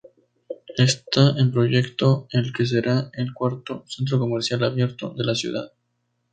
Está en proyecto el que será el cuarto "Centro Comercial Abierto" de la ciudad.